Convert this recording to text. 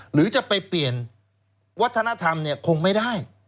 หรือจะไปเปลี่ยนวัฒนธรรมคงไม่ได้